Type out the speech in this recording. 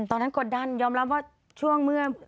ตอนนั้นกดดันยอมรับว่าช่วงเมื่อ